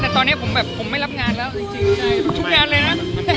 แต่ตอนนี้ผมแบบผมไม่รับงานแล้วจริงทุกงานเลยนะ